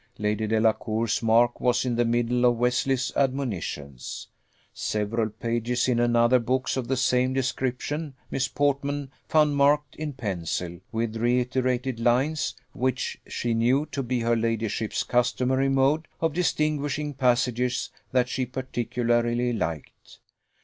Lady Delacour's mark was in the middle of Wesley's Admonitions. Several pages in other books of the same description Miss Portman found marked in pencil, with reiterated lines, which she knew to be her ladyship's customary mode of distinguishing passages that she particularly liked.